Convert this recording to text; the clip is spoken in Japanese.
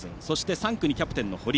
３区にキャプテンの堀。